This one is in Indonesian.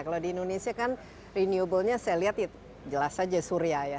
kalau di indonesia kan renewablenya saya lihat jelas saja surya ya